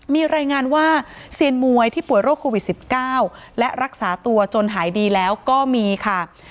มีรายงานว่าเซียนมวยที่ป่วยโรคโควิด๑๙และรักษาตัวจนหายดีแล้วก็มีค่ะ